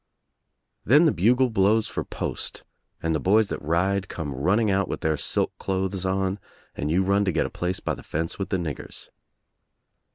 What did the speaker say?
Then the bugle blows for post and the boys that ride come running out with their silk clothes on and you run to get a place by the fence with the niggers.